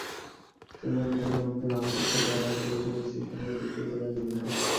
চিহ্নের প্রথাটি এমন যে, ধনাত্মক কাজ দ্বারা পরিবেশের ওপর সিস্টেম কর্তৃক কৃত কাজ বোঝায়।